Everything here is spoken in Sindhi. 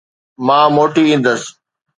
مان موٽي ايندس